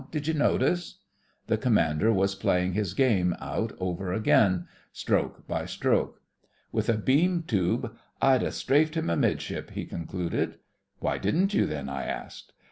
Did you notice?" The commander was playing his game out over again — stroke by stroke. "With a beam tube I'd ha' strafed him amidship," he concluded. "Why didn't you then.?" I asked.